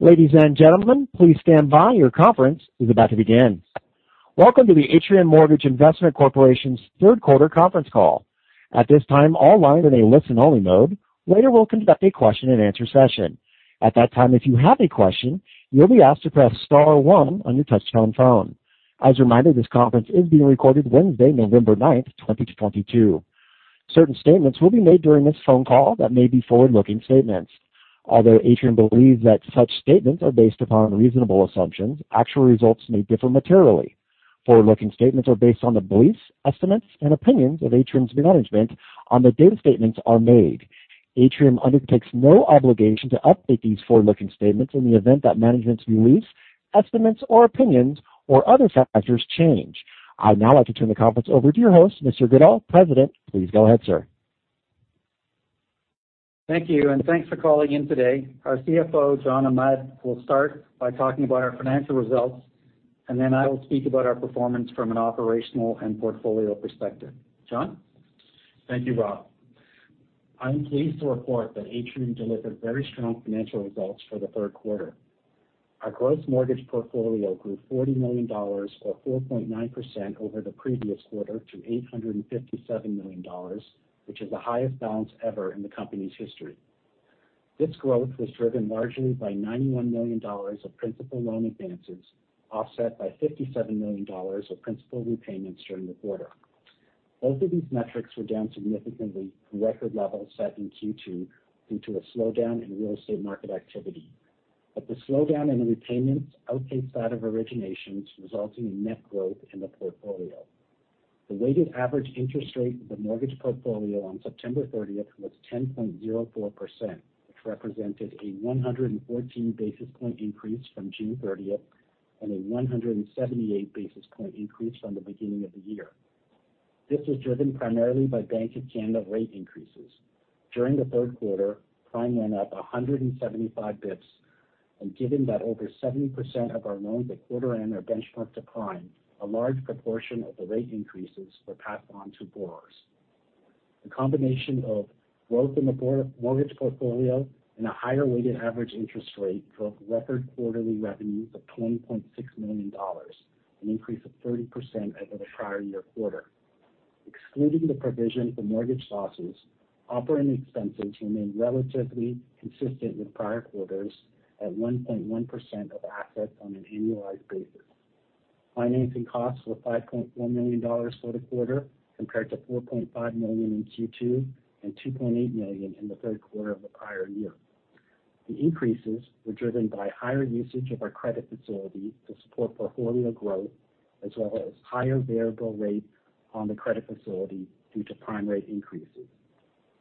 Ladies and gentlemen, please stand by. Your conference is about to begin. Welcome to the Atrium Mortgage Investment Corporation's third quarter conference call. At this time, all lines are in a listen-only mode. Later, we'll conduct a question-and-answer session. At that time, if you have a question, you'll be asked to press star one on your touch-tone phone. As a reminder, this conference is being recorded Wednesday, November 9th, 2022. Certain statements will be made during this phone call that may be forward-looking statements. Although Atrium believes that such statements are based upon reasonable assumptions, actual results may differ materially. Forward-looking statements are based on the beliefs, estimates, and opinions of Atrium's management on the date statements are made. Atrium undertakes no obligation to update these forward-looking statements in the event that management's beliefs, estimates or opinions or other factors change. I'd now like to turn the conference over to your host, Mr. Goodall, President. Please go ahead, sir. Thank you, and thanks for calling in today. Our CFO, John Ahmad, will start by talking about our financial results, and then I will speak about our performance from an operational and portfolio perspective. John? Thank you, Rob. I'm pleased to report that Atrium delivered very strong financial results for the third quarter. Our gross mortgage portfolio grew 40 million dollars or 4.9% over the previous quarter to 857 million dollars, which is the highest balance ever in the company's history. This growth was driven largely by 91 million dollars of principal loan advances, offset by 57 million dollars of principal repayments during the quarter. Both of these metrics were down significantly from record levels set in Q2 due to a slowdown in real estate market activity. The slowdown in repayments outpaced that of originations, resulting in net growth in the portfolio. The weighted average interest rate of the mortgage portfolio on September 30th was 10.04%, which represented a 114 basis point increase from June 30th and a 178 basis point increase from the beginning of the year. This was driven primarily by Bank of Canada rate increases. During the third quarter, prime went up 175 basis points. Given that over 70% of our loans at quarter end are benchmarked to prime, a large proportion of the rate increases were passed on to borrowers. The combination of growth in the mortgage portfolio and a higher weighted average interest rate drove record quarterly revenues of 20.6 million dollars, an increase of 30% over the prior year quarter. Excluding the provision for mortgage losses, operating expenses remained relatively consistent with prior quarters at 1.1% of assets on an annualized basis. Financing costs were 5.4 million dollars for the quarter compared to 4.5 million in Q2 and 2.8 million in the third quarter of the prior year. The increases were driven by higher usage of our credit facility to support portfolio growth as well as higher variable rate on the credit facility due to prime rate increases.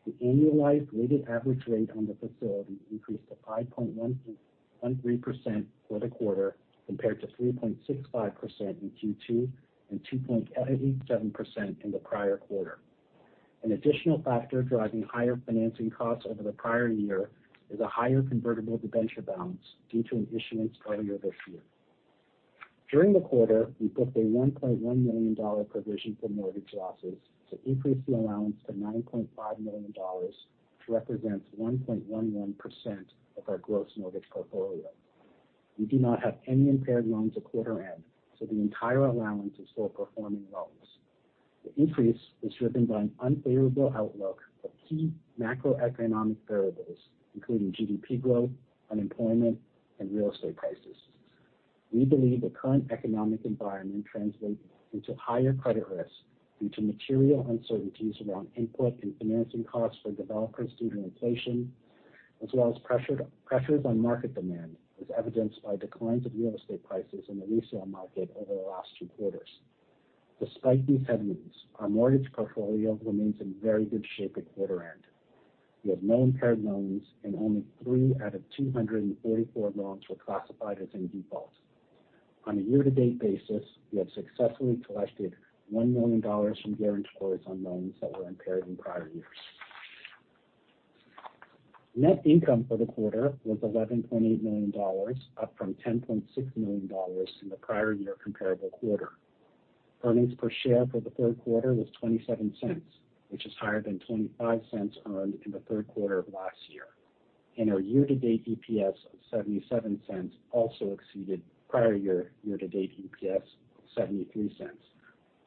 The annualized weighted average rate on the facility increased to 5.13% for the quarter compared to 3.65% in Q2 and 2.87% in the prior quarter. An additional factor driving higher financing costs over the prior year is a higher convertible debenture balance due to an issuance earlier this year. During the quarter, we booked a 1.1 million dollar provision for mortgage losses to increase the allowance to 9.5 million dollars, which represents 1.11% of our gross mortgage portfolio. We do not have any impaired loans at quarter end, so the entire allowance is for performing loans. The increase is driven by an unfavorable outlook for key macroeconomic variables, including GDP growth, unemployment, and real estate prices. We believe the current economic environment translates into higher credit risk due to material uncertainties around input and financing costs for developers due to inflation, as well as pressures on market demand, as evidenced by declines of real estate prices in the resale market over the last two quarters. Despite these headwinds, our mortgage portfolio remains in very good shape at quarter end. We have no impaired loans, and only three out of 244 loans were classified as in default. On a year-to-date basis, we have successfully collected 1 million dollars from guarantors on loans that were impaired in prior years. Net income for the quarter was 11.8 million dollars, up from 10.6 million dollars in the prior year comparable quarter. Earnings per share for the third quarter was 0.27, which is higher than 0.25 earned in the third quarter of last year. Our year-to-date EPS of 0.77 also exceeded prior year-to-date EPS of 0.73.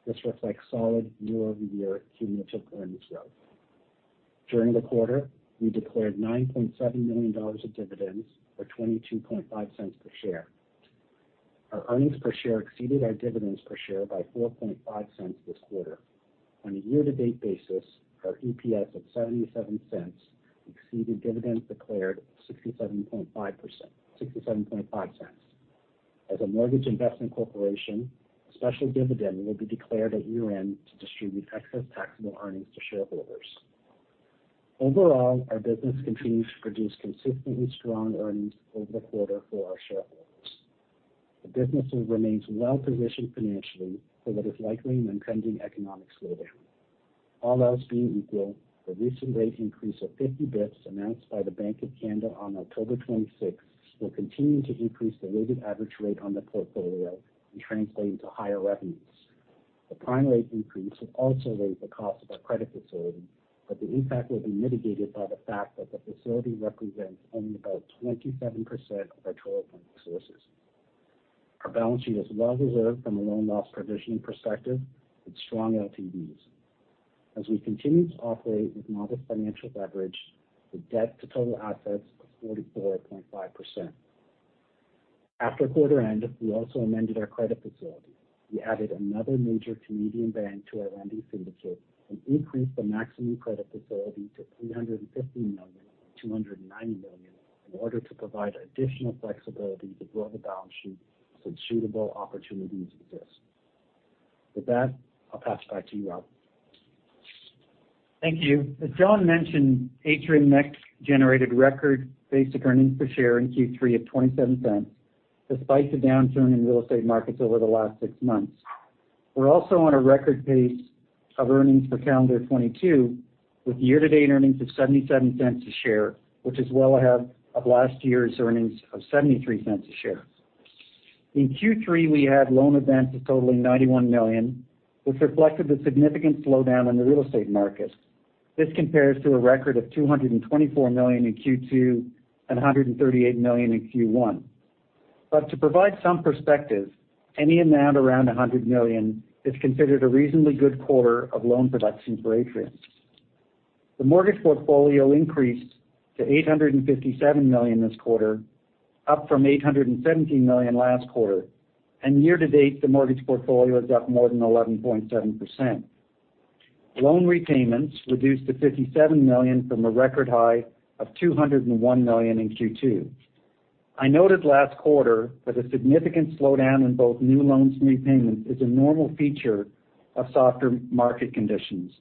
This reflects solid year-over-year cumulative earnings growth. During the quarter, we declared 9.7 million dollars of dividends or 0.225 per share. Our earnings per share exceeded our dividends per share by 0.045 this quarter. On a year-to-date basis, our EPS of 0.77 exceeded dividends declared of 0.675. As a Mortgage Investment Corporation, a special dividend will be declared at year-end to distribute excess taxable earnings to shareholders. Overall, our business continues to produce consistently strong earnings over the quarter for our shareholders. The business remains well positioned financially for what is likely an impending economic slowdown. All else being equal, the recent rate increase of 50 bps announced by the Bank of Canada on October 26th will continue to increase the weighted average rate on the portfolio and translate into higher revenues. The prime rate increase will also raise the cost of our credit facility, but the impact will be mitigated by the fact that the facility represents only about 27% of our total funding sources. Our balance sheet is well reserved from a loan loss provisioning perspective with strong LTVs. As we continue to operate with modest financial leverage, the debt to total assets of 44.5%. After quarter end, we also amended our credit facility. We added another major Canadian bank to our lending syndicate and increased the maximum credit facility to 315 million from 290 million in order to provide additional flexibility to grow the balance sheet should suitable opportunities exist. With that, I'll pass it back to you, Rob. Thank you. As John mentioned, Atrium next generated record basic earnings per share in Q3 of 0.27 despite the downturn in real estate markets over the last six months. We're also on a record pace of earnings for calendar 2022, with year-to-date earnings of 0.77 a share, which is well ahead of last year's earnings of 0.73 a share. In Q3, we had loan advances totaling 91 million, which reflected the significant slowdown in the real estate market. This compares to a record of 224 million in Q2 and 138 million in Q1. To provide some perspective, any amount around 100 million is considered a reasonably good quarter of loan production for Atrium. The mortgage portfolio increased to 857 million this quarter, up from 817 million last quarter. Year-to-date, the mortgage portfolio is up more than 11.7%. Loan repayments reduced to 57 million from a record high of 201 million in Q2. I noted last quarter that a significant slowdown in both new loans and repayments is a normal feature of softer market conditions.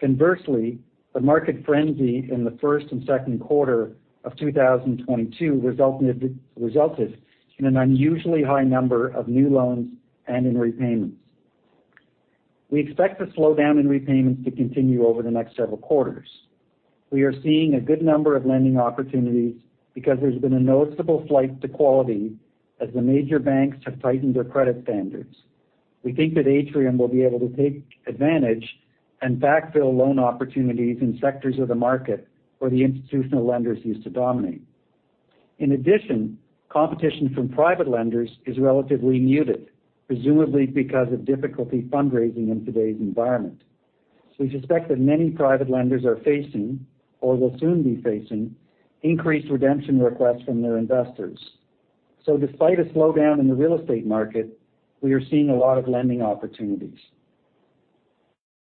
Conversely, the market frenzy in the first and second quarter of 2022 resulted in an unusually high number of new loans and in repayments. We expect the slowdown in repayments to continue over the next several quarters. We are seeing a good number of lending opportunities because there's been a noticeable flight to quality as the major banks have tightened their credit standards. We think that Atrium will be able to take advantage and backfill loan opportunities in sectors of the market where the institutional lenders used to dominate. In addition, competition from private lenders is relatively muted, presumably because of difficulty fundraising in today's environment. We suspect that many private lenders are facing, or will soon be facing, increased redemption requests from their investors. Despite a slowdown in the real estate market, we are seeing a lot of lending opportunities.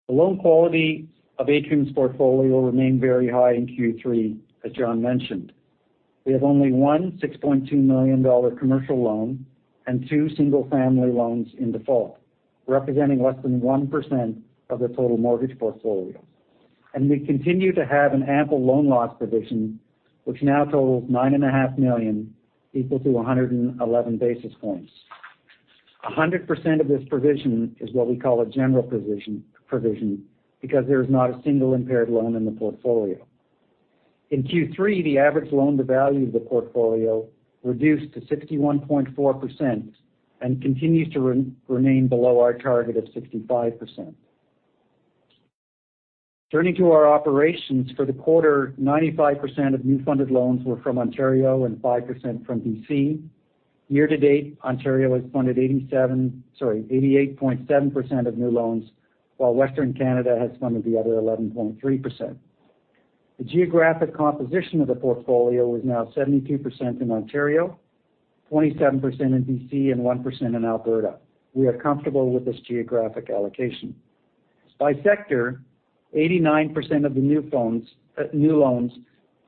The loan quality of Atrium's portfolio remained very high in Q3, as John mentioned. We have only one 6.2 million dollar commercial loan and two single-family loans in default, representing less than 1% of the total mortgage portfolio. We continue to have an ample loan loss provision, which now totals 9.5 million, equal to 111 basis points. 100% of this provision is what we call a general provision because there is not a single impaired loan in the portfolio. In Q3, the average loan-to-value of the portfolio reduced to 61.4% and continues to remain below our target of 65%. Turning to our operations, for the quarter, 95% of new funded loans were from Ontario and 5% from BC. Year-to-date, Ontario has funded 88.7% of new loans, while Western Canada has funded the other 11.3%. The geographic composition of the portfolio is now 72% in Ontario, 27% in BC, and 1% in Alberta. We are comfortable with this geographic allocation. By sector, 89% of the new loans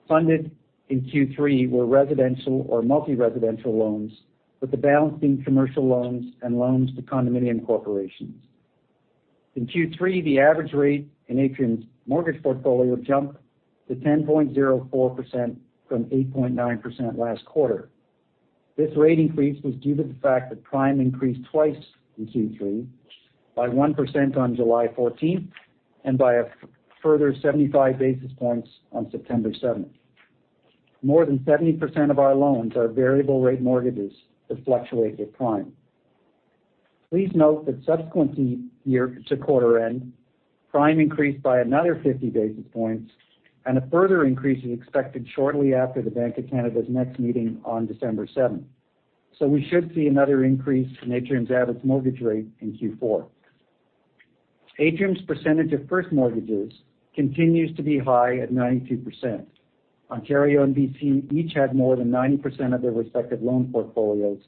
funded in Q3 were residential or multi-residential loans, with the balance being commercial loans and loans to condominium corporations. In Q3, the average rate in Atrium's mortgage portfolio jumped to 10.04% from 8.9% last quarter. This rate increase was due to the fact that Prime increased twice in Q3 by 1% on July 14th and by a further 75 basis points on September 7th. More than 70% of our loans are variable rate mortgages that fluctuate with Prime. Please note that subsequently to quarter end, Prime increased by another 50 basis points, and a further increase is expected shortly after the Bank of Canada's next meeting on December 7th. We should see another increase in Atrium's average mortgage rate in Q4. Atrium's percentage of first mortgages continues to be high at 92%. Ontario and BC each had more than 90% of their respective loan portfolios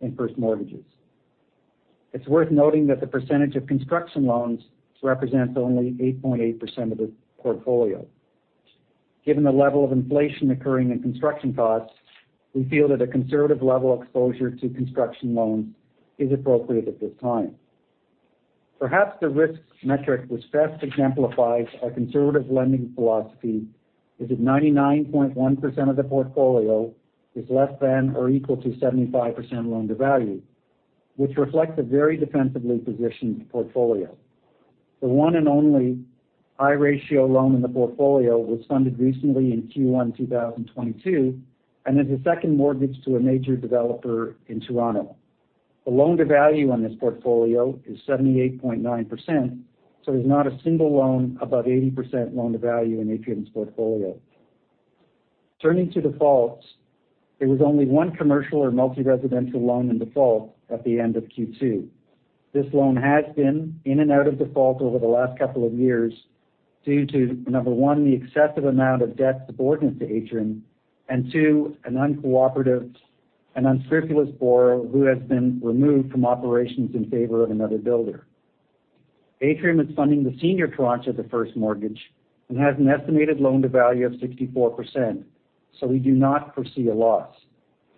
in first mortgages. It's worth noting that the percentage of construction loans represents only 8.8% of the portfolio. Given the level of inflation occurring in construction costs, we feel that a conservative level exposure to construction loans is appropriate at this time. Perhaps the risk metric which best exemplifies our conservative lending philosophy is that 99.1% of the portfolio is less than or equal to 75% loan-to-value, which reflects a very defensively positioned portfolio. The one and only high-ratio loan in the portfolio was funded recently in Q1, 2022, and is a second mortgage to a major developer in Toronto. The loan-to-value on this portfolio is 78.9%, so there's not a single loan above 80% loan-to-value in Atrium's portfolio. Turning to defaults, there was only one commercial or multi-residential loan in default at the end of Q2. This loan has been in and out of default over the last couple of years due to, number one, the excessive amount of debt subordinate to Atrium, and two, an uncooperative and unscrupulous borrower who has been removed from operations in favor of another builder. Atrium is funding the senior tranche of the first mortgage and has an estimated loan-to-value of 64%, so we do not foresee a loss.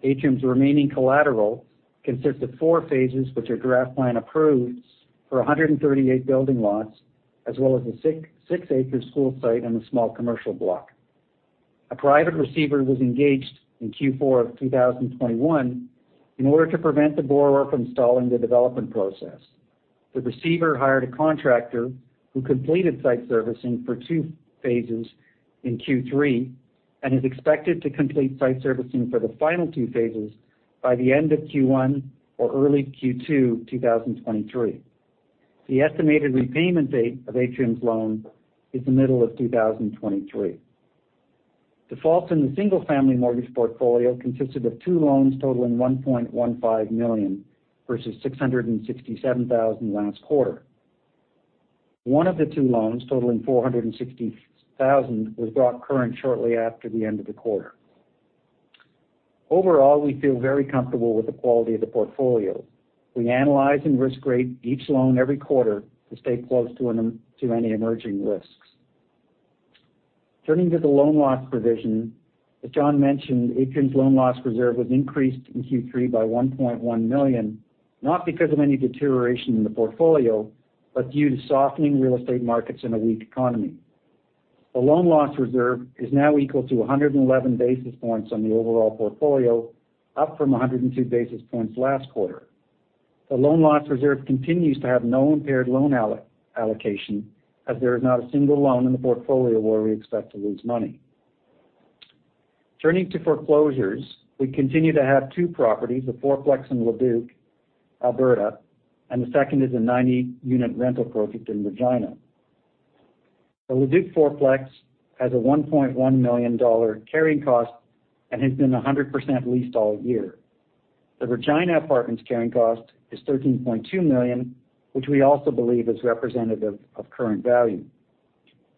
Atrium's remaining collateral consists of four phases which are draft plan approved for 138 building lots, as well as a 6-acre school site and a small commercial block. A private receiver was engaged in Q4 of 2021 in order to prevent the borrower from stalling the development process. The receiver hired a contractor who completed site servicing for two phases in Q3 and is expected to complete site servicing for the final two phases by the end of Q1 or early Q2, 2023. The estimated repayment date of Atrium's loan is the middle of 2023. Defaults in the single-family mortgage portfolio consisted of two loans totaling 1.15 million, versus 667,000 last quarter. One of the two loans, totaling 460,000, was brought current shortly after the end of the quarter. Overall, we feel very comfortable with the quality of the portfolio. We analyze and risk rate each loan every quarter to stay close to any emerging risks. Turning to the loan loss provision, as John mentioned, Atrium's loan loss reserve was increased in Q3 by 1.1 million, not because of any deterioration in the portfolio, but due to softening real estate markets and a weak economy. The loan loss reserve is now equal to 111 basis points on the overall portfolio, up from 102 basis points last quarter. The loan loss reserve continues to have no impaired loan allocation, as there is not a single loan in the portfolio where we expect to lose money. Turning to foreclosures, we continue to have two properties, a fourplex in Leduc, Alberta, and the second is a 90-unit rental project in Regina. The Leduc fourplex has a 1.1 million dollar carrying cost and has been 100% leased all year. The Regina apartment's carrying cost is 13.2 million, which we also believe is representative of current value.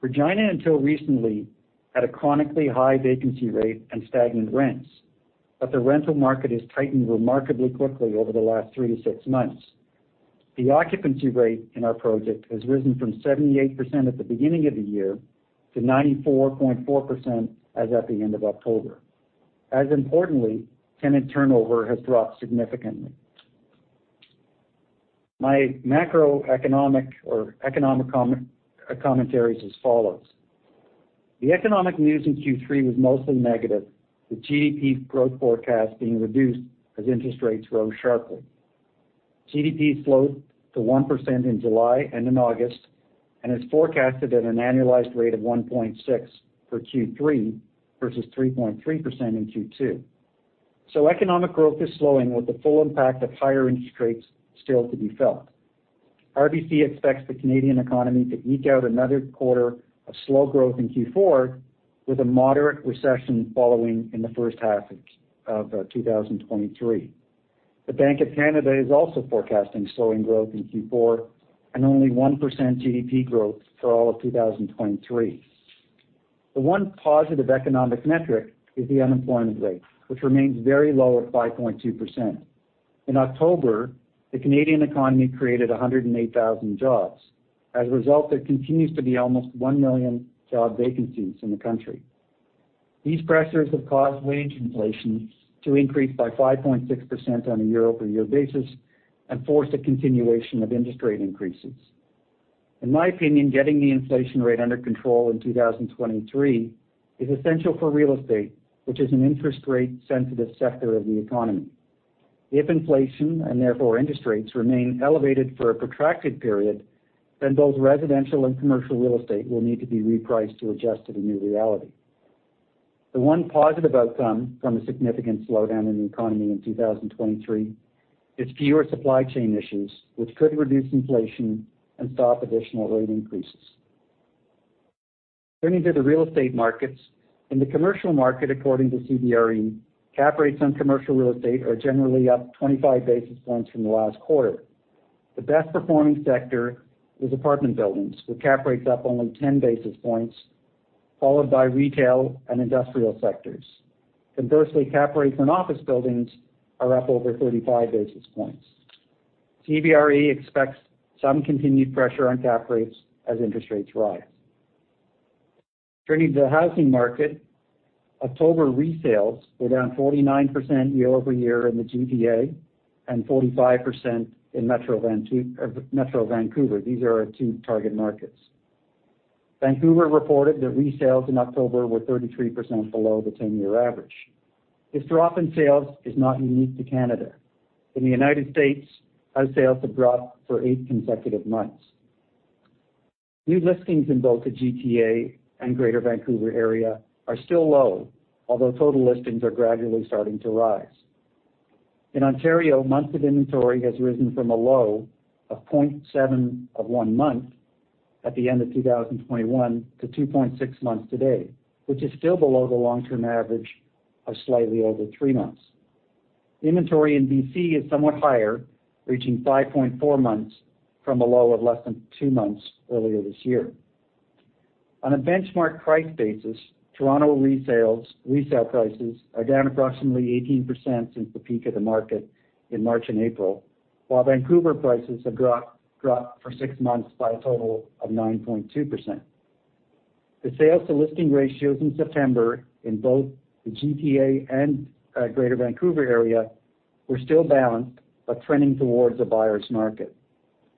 Regina, until recently, had a chronically high vacancy rate and stagnant rents, but the rental market has tightened remarkably quickly over the last three to six months. The occupancy rate in our project has risen from 78% at the beginning of the year to 94.4% as at the end of October. As importantly, tenant turnover has dropped significantly. My macroeconomic or economic commentary is as follows. The economic news in Q3 was mostly negative, with GDP growth forecast being reduced as interest rates rose sharply. GDP slowed to 1% in July and in August, and is forecasted at an annualized rate of 1.6% for Q3 versus 3.3% in Q2. Economic growth is slowing with the full impact of higher interest rates still to be felt. RBC expects the Canadian economy to eke out another quarter of slow growth in Q4, with a moderate recession following in the first half of 2023. The Bank of Canada is also forecasting slowing growth in Q4 and only 1% GDP growth for all of 2023. The one positive economic metric is the unemployment rate, which remains very low at 5.2%. In October, the Canadian economy created 108,000 jobs. As a result, there continues to be almost 1 million job vacancies in the country. These pressures have caused wage inflation to increase by 5.6% on a year-over-year basis and forced a continuation of interest rate increases. In my opinion, getting the inflation rate under control in 2023 is essential for real estate, which is an interest rate-sensitive sector of the economy. If inflation, and therefore interest rates, remain elevated for a protracted period, then both residential and commercial real estate will need to be repriced to adjust to the new reality. The one positive outcome from a significant slowdown in the economy in 2023 is fewer supply chain issues, which could reduce inflation and stop additional rate increases. Turning to the real estate markets. In the commercial market, according to CBRE, cap rates on commercial real estate are generally up 25 basis points from the last quarter. The best performing sector is apartment buildings, with cap rates up only 10 basis points, followed by retail and industrial sectors. Conversely, cap rates on office buildings are up over 35 basis points. CBRE expects some continued pressure on cap rates as interest rates rise. Turning to the housing market. October resales were down 49% year-over-year in the GTA and 45% in Metro Vancouver. These are our two target markets. Vancouver reported that resales in October were 33% below the 10-year average. This drop in sales is not unique to Canada. In the United States, our sales have dropped for eight consecutive months. New listings in both the GTA and Greater Vancouver area are still low, although total listings are gradually starting to rise. In Ontario, months of inventory has risen from a low of 0.7 of one month at the end of 2021 to 2.6 months today, which is still below the long-term average of slightly over three months. Inventory in BC is somewhat higher, reaching 5.4 months from a low of less than two months earlier this year. On a benchmark price basis, Toronto resales, resale prices are down approximately 18% since the peak of the market in March and April, while Vancouver prices have dropped for six months by a total of 9.2%. The sales to listing ratios in September in both the GTA and Greater Vancouver area were still balanced, but trending towards a buyer's market.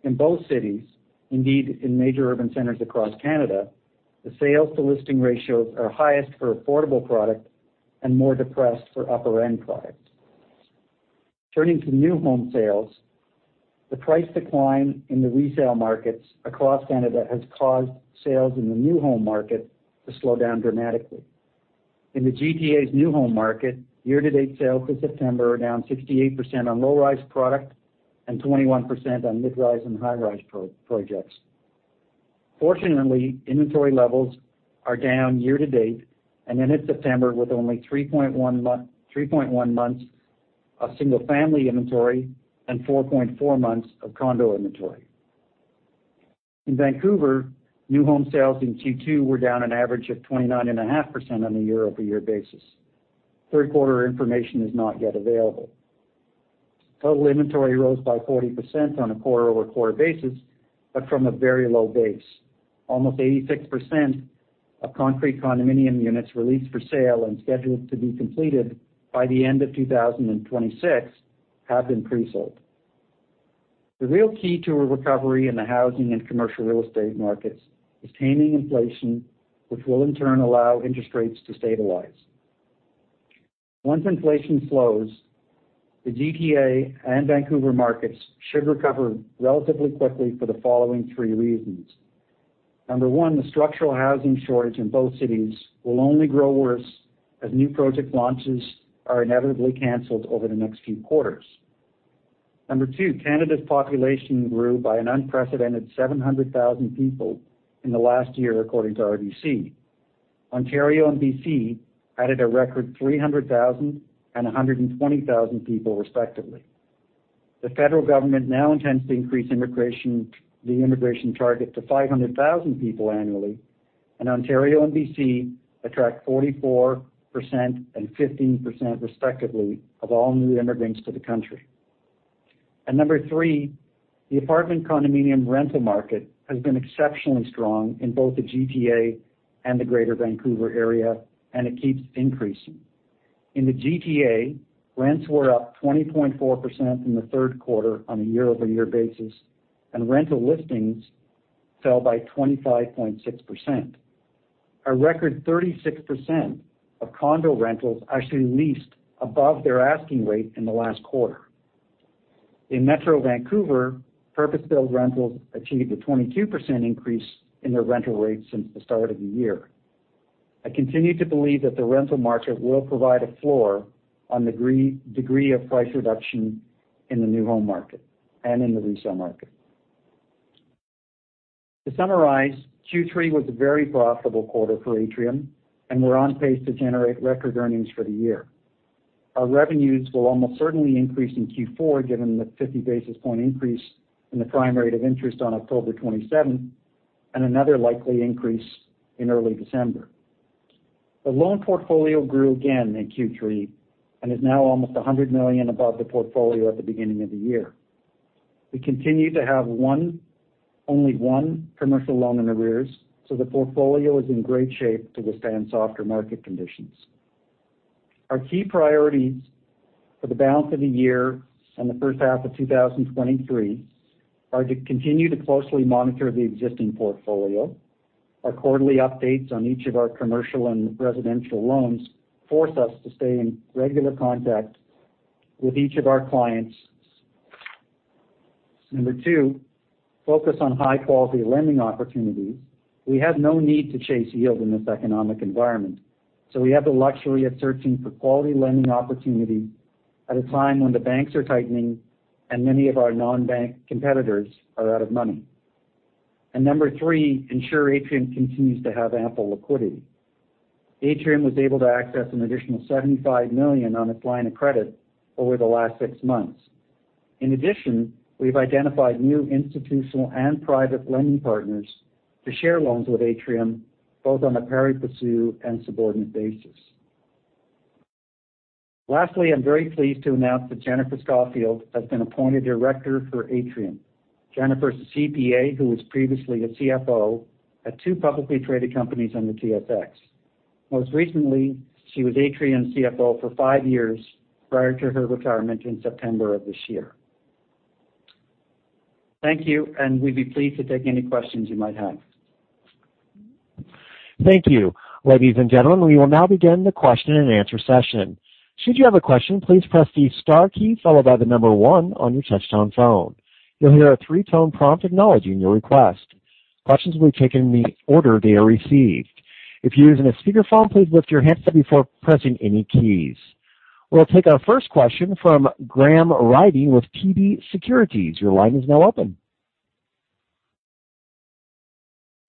In both cities, indeed in major urban centers across Canada, the sales to listing ratios are highest for affordable product and more depressed for upper-end product. Turning to new home sales, the price decline in the resale markets across Canada has caused sales in the new home market to slow down dramatically. In the GTA's new home market, year-to-date sales for September are down 68% on low-rise product and 21% on mid-rise and high-rise projects. Fortunately, inventory levels are down year-to-date and ended September with only 3.1 months of single-family inventory and 4.4 months of condo inventory. In Vancouver, new home sales in Q2 were down an average of 29.5% on a year-over-year basis. Third quarter information is not yet available. Total inventory rose by 40% on a quarter-over-quarter basis, but from a very low base. Almost 86% of concrete condominium units released for sale and scheduled to be completed by the end of 2026 have been presold. The real key to a recovery in the housing and commercial real estate markets is taming inflation, which will in turn allow interest rates to stabilize. Once inflation slows, the GTA and Vancouver markets should recover relatively quickly for the following three reasons. Number one, the structural housing shortage in both cities will only grow worse as new project launches are inevitably canceled over the next few quarters. Number two, Canada's population grew by an unprecedented 700,000 people in the last year, according to RBC. Ontario and BC added a record 300,000 and 120,000 people, respectively. The federal government now intends to increase immigration, the immigration target to 500,000 people annually, and Ontario and BC attract 44% and 15%, respectively, of all new immigrants to the country. Number three, the apartment condominium rental market has been exceptionally strong in both the GTA and Metro Vancouver, and it keeps increasing. In the GTA, rents were up 20.4% in the third quarter on a year-over-year basis, and rental listings fell by 25.6%. A record 36% of condo rentals actually leased above their asking rate in the last quarter. In Metro Vancouver, purpose-built rentals achieved a 22% increase in their rental rates since the start of the year. I continue to believe that the rental market will provide a floor on degree of price reduction in the new home market and in the resale market. To summarize, Q3 was a very profitable quarter for Atrium, and we're on pace to generate record earnings for the year. Our revenues will almost certainly increase in Q4, given the 50 basis point increase in the prime rate of interest on October 27th and another likely increase in early December. The loan portfolio grew again in Q3 and is now almost 100 million above the portfolio at the beginning of the year. We continue to have only one commercial loan in arrears, so the portfolio is in great shape to withstand softer market conditions. Our key priorities for the balance of the year and the first half of 2023 are to continue to closely monitor the existing portfolio. Our quarterly updates on each of our commercial and residential loans force us to stay in regular contact with each of our clients. Number two, focus on high-quality lending opportunities. We have no need to chase yield in this economic environment, so we have the luxury of searching for quality lending opportunities at a time when the banks are tightening and many of our non-bank competitors are out of money. Number three, ensure Atrium continues to have ample liquidity. Atrium was able to access an additional 75 million on its line of credit over the last six months. In addition, we've identified new institutional and private lending partners to share loans with Atrium, both on a pari passu and subordinate basis. Lastly, I'm very pleased to announce that Jennifer Scoffield has been appointed director for Atrium. Jennifer is a CPA who was previously a CFO at two publicly traded companies on the TSX. Most recently, she was Atrium's CFO for five years prior to her retirement in September of this year. Thank you. We'd be pleased to take any questions you might have. Thank you. Ladies and gentlemen, we will now begin the question-and-answer session. Should you have a question, please press the star key followed by the number one on your touchtone phone. You'll hear a three-tone prompt acknowledging your request. Questions will be taken in the order they are received. If you're using a speakerphone, please lift your handset before pressing any keys. We'll take our first question from Graham Ryding with TD Securities. Your line is now open.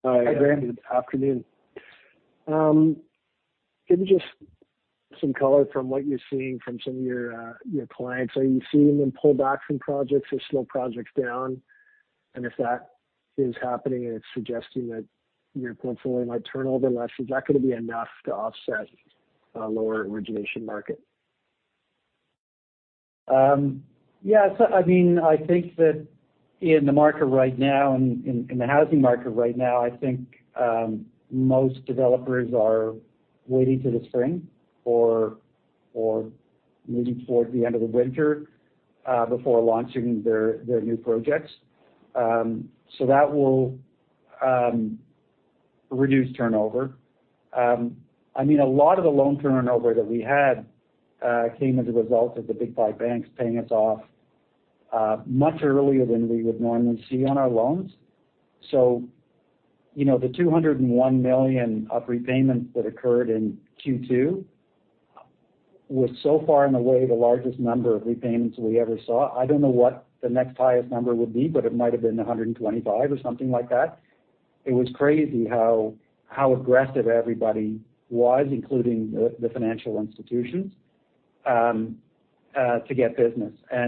Hi. Hi, Graham. Afternoon. Give me just some color from what you're seeing from some of your your clients. Are you seeing them pull back from projects or slow projects down? If that is happening and it's suggesting that your portfolio might turn over less, is that going to be enough to offset a lower origination market? Yeah. I mean, I think that in the market right now, in the housing market right now, I think most developers are waiting till the spring or maybe towards the end of the winter before launching their new projects. That will reduce turnover. I mean, a lot of the loan turnover that we had came as a result of the big five banks paying us off much earlier than we would normally see on our loans. You know, 201 million of repayments that occurred in Q2 was so far and away the largest number of repayments we ever saw. I don't know what the next highest number would be, but it might have been 125 or something like that. It was crazy how aggressive everybody was, including the financial institutions, to get business. I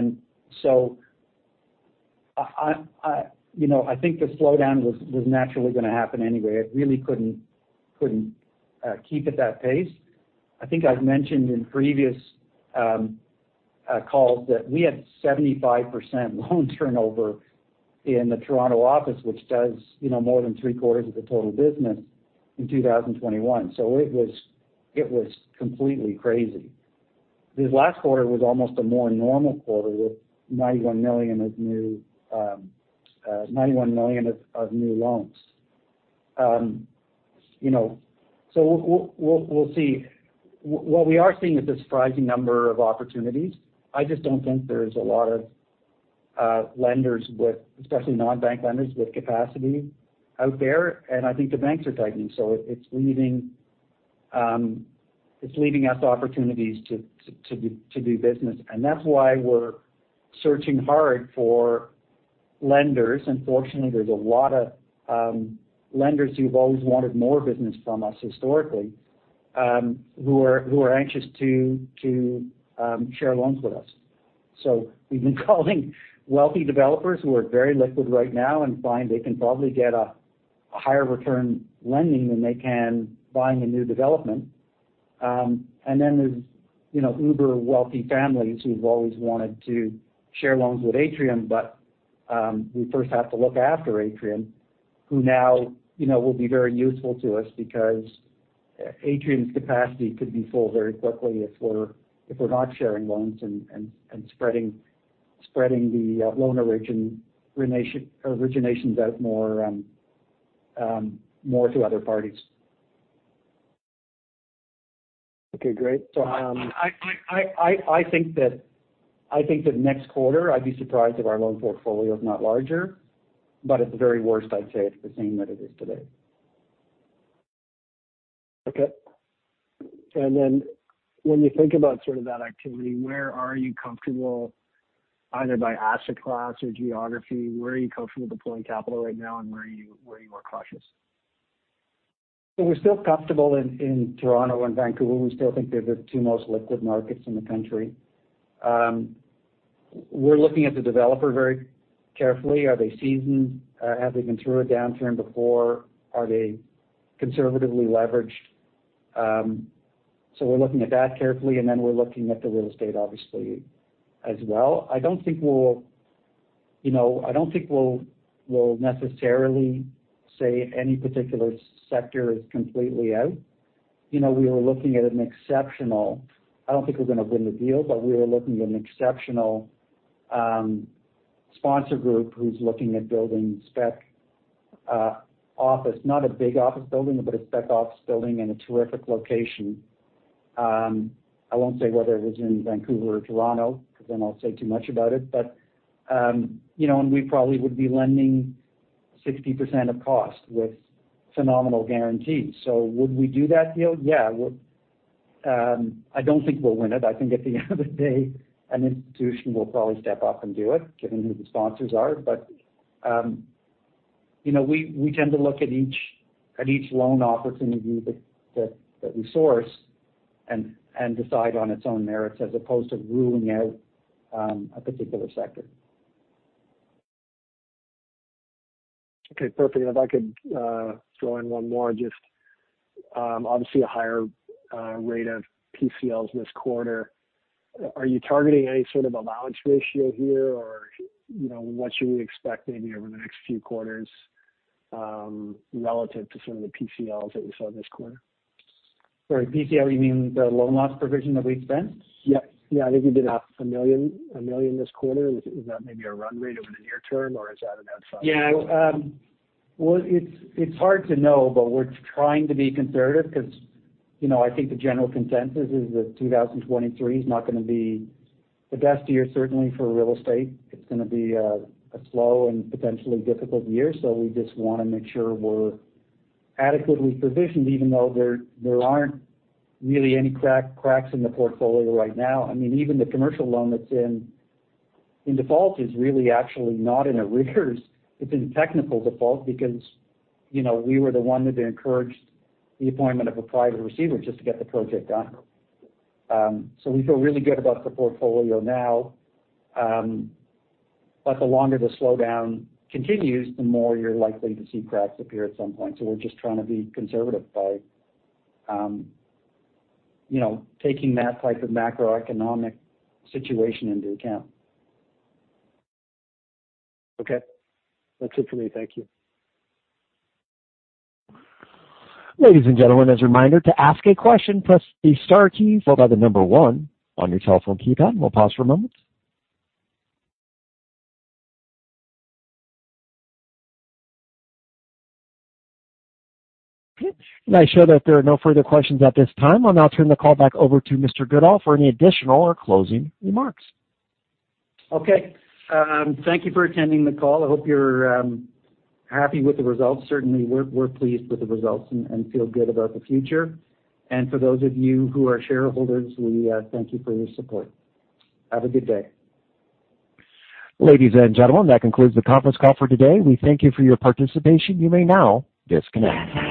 think the slowdown was naturally gonna happen anyway. It really couldn't keep at that pace. I think I've mentioned in previous calls that we had 75% loan turnover in the Toronto office, which does, you know, more than three-quarters of the total business in 2021. It was completely crazy. This last quarter was almost a more normal quarter with CAD 91 million of new loans. You know, we'll see. What we are seeing is a surprising number of opportunities. I just don't think there's a lot of lenders with, especially non-bank lenders with capacity out there. I think the banks are tightening. It's leaving us opportunities to do business. That's why we're searching hard for lenders. Fortunately, there's a lot of lenders who've always wanted more business from us historically, who are anxious to share loans with us. We've been calling wealthy developers who are very liquid right now and find they can probably get a higher return lending than they can buying a new development. There's, you know, uber wealthy families who've always wanted to share loans with Atrium, but we first have to look after Atrium, who now, you know, will be very useful to us because Atrium's capacity could be full very quickly if we're not sharing loans and spreading the loan originations out more to other parties. Okay, great. I think that next quarter I'd be surprised if our loan portfolio is not larger, but at the very worst, I'd say it's the same that it is today. Okay. When you think about sort of that activity, where are you comfortable either by asset class or geography, where are you comfortable deploying capital right now, and where are you more cautious? We're still comfortable in Toronto and Vancouver. We still think they're the two most liquid markets in the country. We're looking at the developer very carefully. Are they seasoned? Have they been through a downturn before? Are they conservatively leveraged? We're looking at that carefully, and then we're looking at the real estate obviously as well. I don't think we'll, you know, necessarily say any particular sector is completely out. You know, we were looking at an exceptional. I don't think we're gonna win the deal, but we were looking at an exceptional sponsor group who's looking at building spec office. Not a big office building, but a spec office building in a terrific location. I won't say whether it was in Vancouver or Toronto because then I'll say too much about it. You know, we probably would be lending 60% of cost with phenomenal guarantees. Would we do that deal? Yeah. I don't think we'll win it. I think at the end of the day, an institution will probably step up and do it, given who the sponsors are. You know, we tend to look at each loan opportunity that we source and decide on its own merits as opposed to ruling out a particular sector. Okay, perfect. If I could throw in one more. Just obviously a higher rate of PCLs this quarter. Are you targeting any sort of allowance ratio here? Or, you know, what should we expect maybe over the next few quarters, relative to some of the PCLs that we saw this quarter? Sorry, PCL, you mean the loan loss provision that we spent? Yeah. I think you did 1 million this quarter. Is that maybe a run rate over the near term or is that an outlier? Yeah. Well, it's hard to know, but we're trying to be conservative because, you know, I think the general consensus is that 2023 is not gonna be the best year, certainly for real estate. It's gonna be a slow and potentially difficult year. We just wanna make sure we're adequately provisioned, even though there aren't really any cracks in the portfolio right now. I mean, even the commercial loan that's in default is really actually not in arrears. It's in technical default because, you know, we were the one that encouraged the appointment of a private receiver just to get the project done. So we feel really good about the portfolio now, but the longer the slowdown continues, the more you're likely to see cracks appear at some point. We're just trying to be conservative by, you know, taking that type of macroeconomic situation into account. Okay. That's it for me. Thank you. Ladies and gentlemen, as a reminder, to ask a question, press the star key followed by the number one on your telephone keypad. We'll pause for a moment. Okay. I show that there are no further questions at this time. I'll now turn the call back over to Mr. Goodall for any additional or closing remarks. Okay. Thank you for attending the call. I hope you're happy with the results. Certainly we're pleased with the results and feel good about the future. For those of you who are shareholders, we thank you for your support. Have a good day. Ladies and gentlemen, that concludes the conference call for today. We thank you for your participation. You may now disconnect.